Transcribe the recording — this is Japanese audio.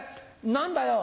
何だよ。